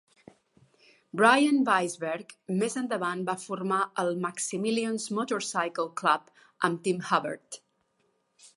Bryan Weisberg més endavant va formar el Maximillion's Motorcycle Club amb Tim Huthert.